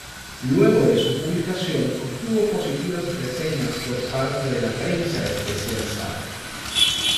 Luego de su publicación obtuvo positivas reseñas por parte de la prensa especializada.